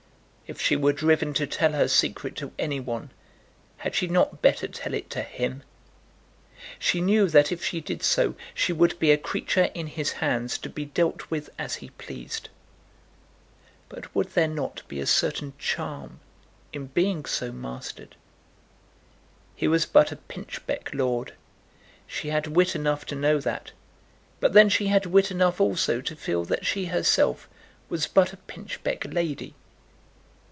If she were driven to tell her secret to any one, had she not better tell it to him? She knew that if she did so, she would be a creature in his hands to be dealt with as he pleased; but would there not be a certain charm in being so mastered? He was but a pinchbeck lord. She had wit enough to know that; but then she had wit enough also to feel that she herself was but a pinchbeck lady.